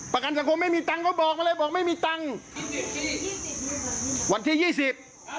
ประกันสังคมไม่มีตังค์เขาบอกมาเลยบอกไม่มีตังค์วันที่ยี่สิบ